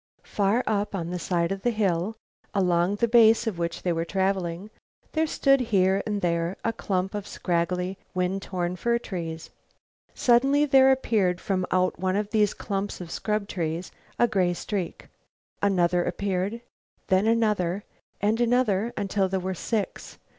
Far up on the side of the hill along the base of which they were traveling, there stood here and there a clump of scraggly, wind torn fir trees. Suddenly there appeared from out one of these clumps of scrub trees, a gray streak. Another appeared, then another and another, until there were six.